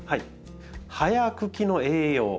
葉や茎の栄養。